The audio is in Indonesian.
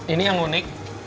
ini yang unik